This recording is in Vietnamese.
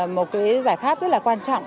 một cái giải pháp rất là quan trọng